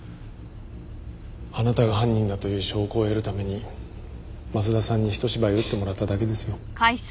あなたが犯人だという証拠を得るために松田さんにひと芝居打ってもらっただけですよ。